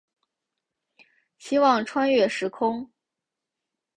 希望穿越时空